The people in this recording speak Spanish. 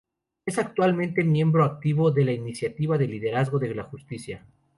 Es actualmente miembro activo de la Iniciativa de Liderazgo de la Justicia.